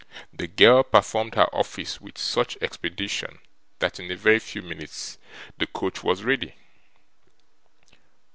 The girl performed her office with such expedition, that in a very few minutes the coach was ready.